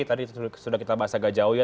tadi sudah kita bahas agak jauh ya